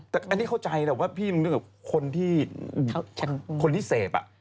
แต่อันนี้เข้าใจแหละว่าพี่มึงนึกกับคนที่คนที่เสพ